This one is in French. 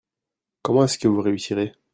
Comment est-ce que vous réussirez ?